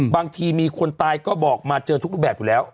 บางทีมีคนตายก็บอกมาเจอทุกรูปแบบอยู่แล้ว